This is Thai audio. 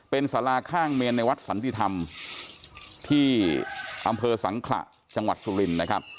เป็นสาราข้างเมนในวัดสันติธรรมที่อำเภอสังขระจังหวัดสุรินนะครับ